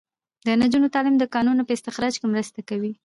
د نجونو تعلیم د کانونو په استخراج کې مرسته کوي.